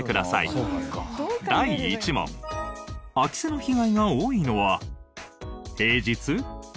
第１問空き巣の被害が多いのは平日？